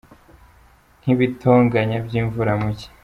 Nk’ ibitonyanga by’ imvura mu cyi.